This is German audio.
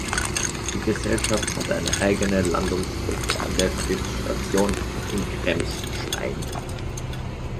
Die Gesellschaft hat eine eigene Landungsbrücke an der Schiffs-Station in Krems-Stein.